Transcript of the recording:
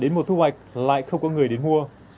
đến mùa thu hoạch lại không có người đến mua